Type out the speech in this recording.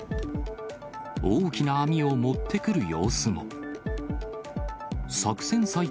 大きな網を持ってくる様子も。